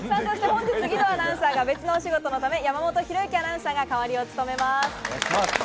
本日、義堂アナウンサーは別のお仕事のため、山本紘之アナウンサーが代わりを務めます。